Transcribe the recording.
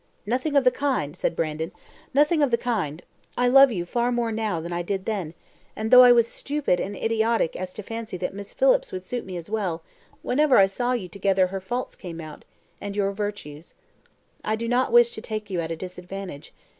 "Nothing of the kind," said Brandon; "nothing of the kind. I love you far more now than I did then; and though I was so stupid and idiotic as to fancy that Miss Phillips would suit me as well, whenever I saw you together her faults came out, and your virtues. I do not wish to take you at a disadvantage.